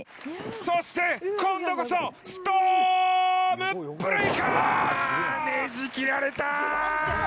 そして今度こそストームブレイカー！ねじ切られた！